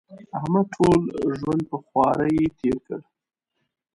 احمد ټول ژوند په خواري تېر کړ.